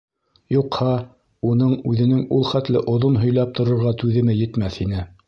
Юҡһа, уның үҙенең ул хәтле оҙон һөйләп торорға түҙеме етмәҫ ине.